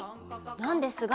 なんですが